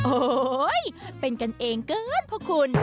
โอ๊ยเป็นกันเองเกินพวกคุณ